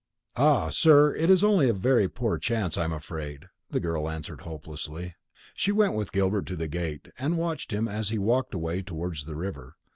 "Ah, sir, it's only a very poor chance, I'm afraid," the girl answered hopelessly. She went with Gilbert to the gate, and watched him as he walked away towards the river.